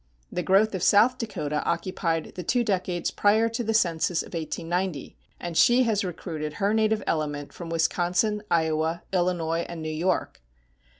The growth of South Dakota occupied the two decades prior to the census of 1890, and she has recruited her native element from Wisconsin, Iowa, Illinois, and New York.